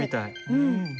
うん。